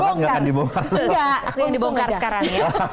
enggak ada yang dibongkar sekarang ya